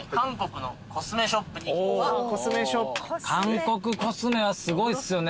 韓国コスメはすごいっすよね